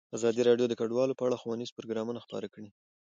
ازادي راډیو د کډوال په اړه ښوونیز پروګرامونه خپاره کړي.